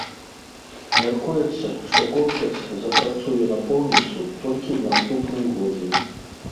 Мяркуецца, што комплекс запрацуе напоўніцу толькі ў наступным годзе.